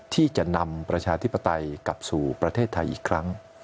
ที่จะนำประชาธิปไตยกลับสู่ประเทศไทยอีกครั้ง